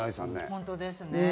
本当ですね。